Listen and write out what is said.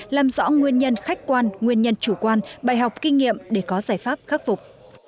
làm rõ nguyên nhân khách quan nguyên nhân chủ quan bài học kinh nghiệm để có giải pháp khắc phục